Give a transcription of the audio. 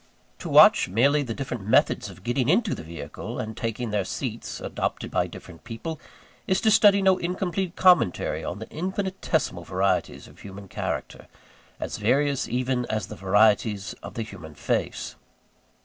To watch merely the different methods of getting into the vehicle, and taking their seats, adopted by different people, is to study no incomplete commentary on the infinitesimal varieties of human character as various even as the varieties of the human face.